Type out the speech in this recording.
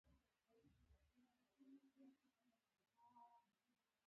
پر سیکهانو باندي به شا له خوا حمله وشي.